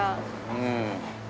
うん。